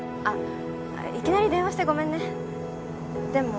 あっ。